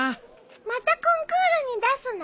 またコンクールに出すの？